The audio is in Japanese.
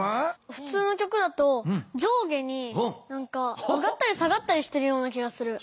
ふつうの曲だと上下に上がったり下がったりしてるような気がする。